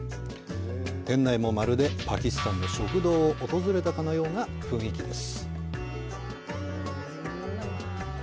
店内も、まるでパキスタンの食堂を訪れたかのような雰囲気です。